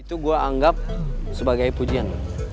itu gue anggap sebagai pujian